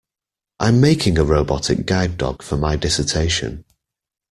I'm making a robotic guide dog for my dissertation.